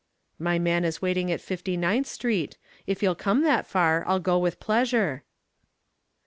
"My man is waiting at Fifty ninth Street. If you'll come that far, I'll go with pleasure."